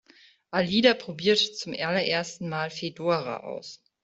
Alida probiert zum allerersten Mal Fedora aus.